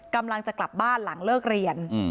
กำลังจะกลับบ้านหลังเลิกเรียน